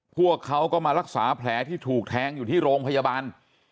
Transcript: พวกเขาก็มารักษาแผลที่ถูกแทงอยู่ที่โรงพยาบาล